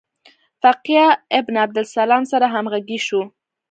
فقیه ابن عبدالسلام سره همغږي شو.